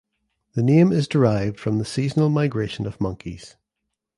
The name is derived from the seasonal migration of monkeys.